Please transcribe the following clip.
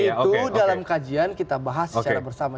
itu dalam kajian kita bahas secara bersama